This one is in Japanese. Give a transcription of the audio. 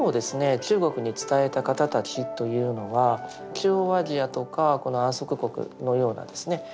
中国に伝えた方たちというのは中央アジアとかこの安息国のようなですね